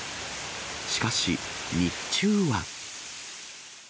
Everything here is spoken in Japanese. しかし、日中は。